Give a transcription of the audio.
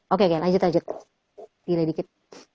oke lanjut lanjut delay dikit